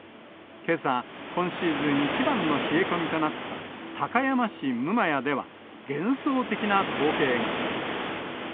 けさ、今シーズン一番の冷え込みとなった高山市六厩では、幻想的な光景が。